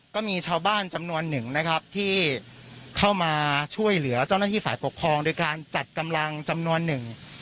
ก็มีชาวบ้านจำนวนหนึ่งนะครับที่เข้ามาช่วยเหลือเจ้าหน้าที่ฝ่ายปกครองโดยการจัดกำลังจำนวนหนึ่ง